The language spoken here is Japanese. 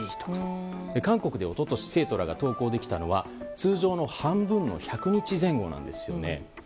通常授業再開後に生徒らが登校できたのは通常の半分の１００日前後なんですね。